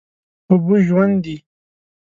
اوبه ژوند دي.